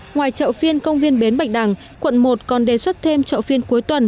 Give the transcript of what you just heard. ngoài chợ phiên công viên bến bạch đằng quận một còn đề xuất thêm chợ phiên cuối tuần